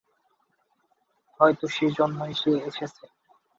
হয়তো সেজন্যই সে এসেছে।